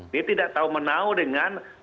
dia tidak tahu menau dengan